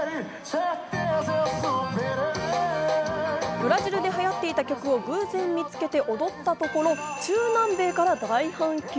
ブラジルで流行っていた曲を偶然見つけて踊ったところ、中南米から大反響。